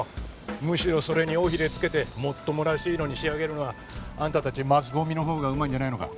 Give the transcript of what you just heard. むしろそれに尾ひれ付けてもっともらしいのに仕上げるのはあんたたちマスゴミのほうがうまいんじゃないのか？